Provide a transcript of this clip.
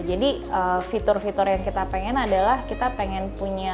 fitur fitur yang kita pengen adalah kita pengen punya